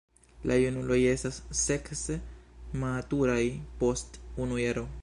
La junuloj estas sekse maturaj post unu jaro.